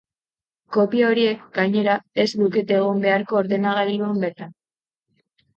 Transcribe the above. Kopia horiek, gainera, ez lukete egon beharko ordenagailuan bertan.